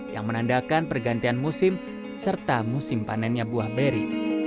yang menandakan pergantian musim serta musim panennya buah beri